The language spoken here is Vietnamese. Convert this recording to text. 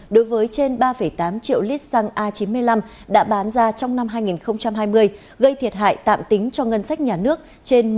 đối với trên ba tám triệu lít xăng a chín mươi năm đã bán ra trong năm hai nghìn hai mươi gây thiệt hại tạm tính cho ngân sách nhà nước trên một mươi năm tỷ đồng